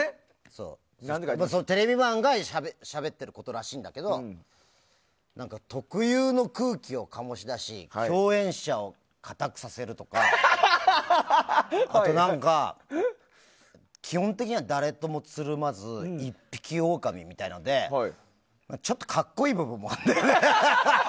テレビマンがしゃべってることらしいんだけど特有の空気を醸し出し共演者を硬くさせるとかあと何か基本的には誰ともつるまず一匹狼みたいなのでちょっと格好いい部分もあるんだよね。